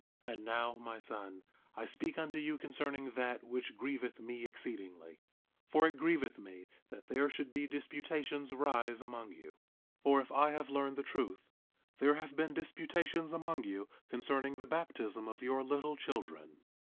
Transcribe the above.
8:4 And now, my son, I speak unto you concerning that which grieveth me exceedingly; for it grieveth me that there should disputations rise among you. 8:5 For, if I have learned the truth, there have been disputations among you concerning the baptism of your little children.